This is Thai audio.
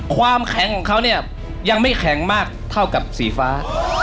ความแข็งของเขาเนี่ยยังไม่แข็งมากเท่ากับสีฟ้า